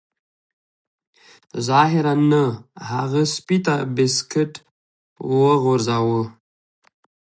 ظاهراً نه هغه سپي ته بسکټ وغورځاوه